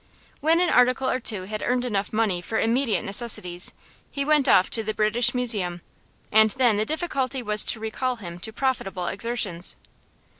When an article or two had earned enough money for immediate necessities he went off to the British Museum, and then the difficulty was to recall him to profitable exertions.